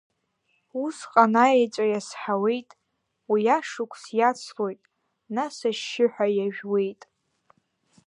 Усҟан аеҵәа иазҳауеит, уи ашықәс иацлоит, нас ашьшьыҳәа иажәуеит.